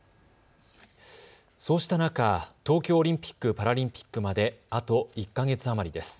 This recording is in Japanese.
そうした中、東京オリンピック・パラリンピックまであと１か月余りです。